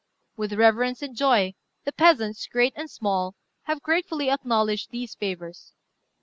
With reverence and joy the peasants, great and small, have gratefully acknowledged these favours.